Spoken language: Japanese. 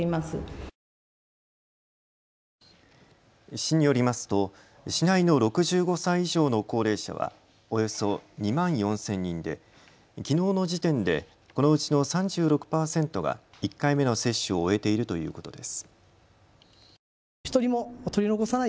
市によりますと市内の６５歳以上の高齢者はおよそ２万４０００人できのうの時点でこのうちの３６％が１回目の接種を終えているということです。